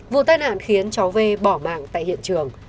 vụ tai nạn khiến cháu v bỏ mạng tại hiện trường